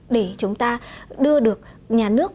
để chúng ta đưa được nhà nước